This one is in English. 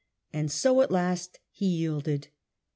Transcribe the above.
And so at last he yielded.